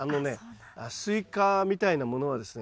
スイカみたいなものはですね